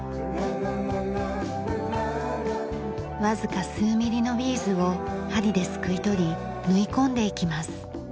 わずか数ミリのビーズを針ですくい取り縫い込んでいきます。